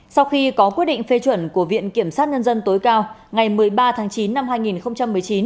sau khi có quyết định phê chuẩn của viện kiểm sát nhân dân tối cao ngày một mươi ba tháng chín năm hai nghìn một mươi chín